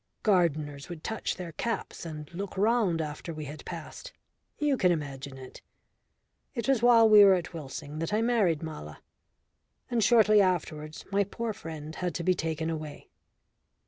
Gardeners would touch their caps and look round after we had passed you can imagine it. It was while we were at Wilsing that I married Mala. And shortly afterwards my poor friend had to be taken away.